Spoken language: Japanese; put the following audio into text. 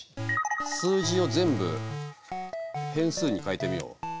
数字を全部変数に変えてみよう。